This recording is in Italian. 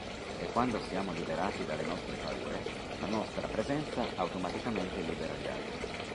E quando siamo liberati dalle nostre paure, la nostra presenza automaticamente libera gli altri.